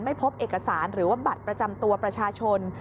พบเอกสารหรือว่าบัตรประจำตัวประชาชน